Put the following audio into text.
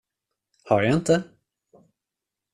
Har jag inte?